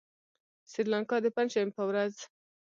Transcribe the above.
سريلانکا د پنجشنبې په ورځ